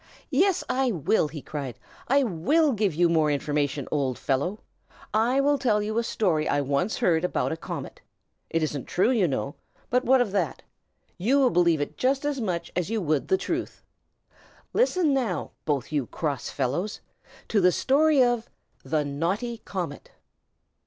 "Yes, I will!" he cried. "I will give you more information, old fellow. I will tell you a story I once heard about a comet. It isn't true, you know, but what of that? You will believe it just as much as you would the truth. Listen, now, both you cross fellows, to the story of THE NAUGHTY COMET.